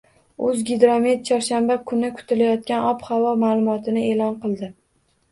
O‘zgidromet chorshanba kuni kutilayotgan ob-havo ma’lumotini e’lon qildi